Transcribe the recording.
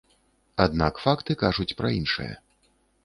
Аднак факты кажуць пра іншае.